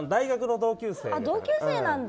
同級生なんだ。